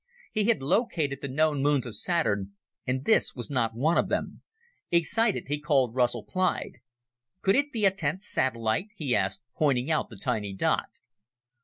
He had located the known moons of Saturn and this was not one of them. Excited, he called Russell Clyde. "Could it be a tenth satellite?" he asked, pointing out the tiny dot.